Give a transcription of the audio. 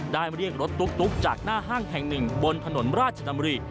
เรียกรถตุ๊กจากหน้าห้างแห่งหนึ่งบนถนนราชดำริ